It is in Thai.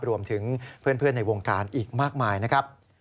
รวมถึงเพื่อนในวงการอีกมากมายนะครับ